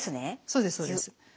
そうですそうです。